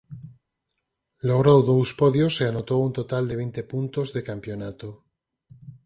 Logrou dous podios e anotou un total de vinte puntos de campionato.